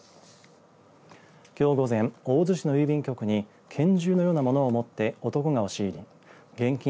きょう午前、大洲市の郵便局に拳銃のようなものを持って男が押し入り現金